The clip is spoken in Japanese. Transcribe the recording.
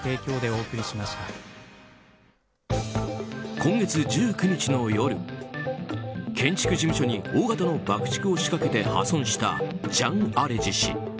今月１９日の夜、建築事務所に大型の爆竹を仕掛けて破損したジャン・アレジ氏。